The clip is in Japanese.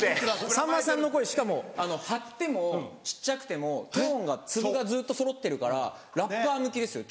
さんまさんの声しかも張っても小っちゃくてもトーンが粒がずっとそろってるからラッパー向きですよ